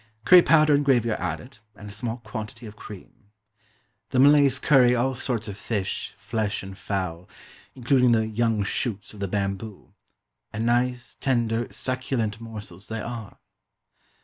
Curry powder and gravy are added, and a small quantity of cream. The Malays curry all sorts of fish, flesh, and fowl, including the young shoots of the bamboo and nice tender, succulent morsels they are.